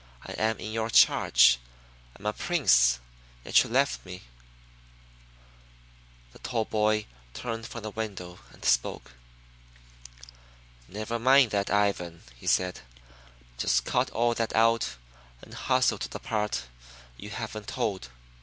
I am in your charge; I am a Prince; yet you left me " The tall boy turned from the window and spoke. "Never mind that, Ivan," he said. "Just cut that all out and hustle to the part you haven't told."